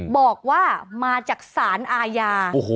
บอกว่ามาจากสารอาญา